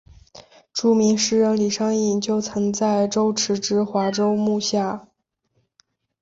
著名诗人李商隐就曾在周墀之华州幕下。